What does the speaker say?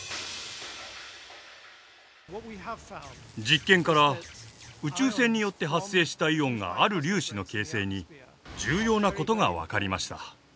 実験から宇宙線によって発生したイオンがある粒子の形成に重要なことが分かりました。